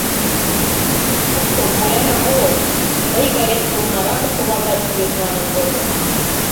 Тушко пояным огыл, тый гает. нужнаракым шогалташ кӱлеш, манын возымо.